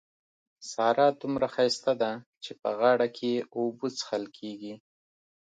سارا دومره ښايسته ده چې په غاړه کې يې اوبه څښل کېږي.